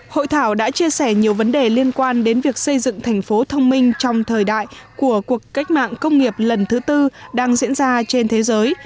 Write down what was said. hội thảo đã chia sẻ nhiều vấn đề liên quan đến việc xây dựng thành phố thông minh trong thời đại của cuộc cách mạng công nghiệp lần thứ tư đang diễn ra trên thế giới